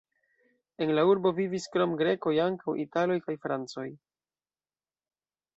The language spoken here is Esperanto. En la urbo vivis krom grekoj ankaŭ italoj kaj francoj.